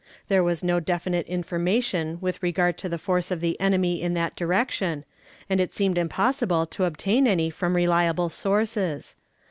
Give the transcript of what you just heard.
There was no definite information with regard to the force of the enemy in that direction, and it seemed impossible to obtain any from reliable sources.